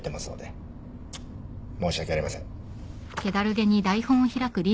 申し訳ありません。